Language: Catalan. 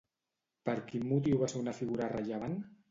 Per quin motiu va ser una figura rellevant?